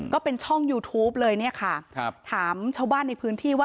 ก็เป็นช่องยูทูปเลยเนี่ยค่ะครับถามชาวบ้านในพื้นที่ว่า